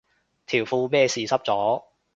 條褲咩事濕咗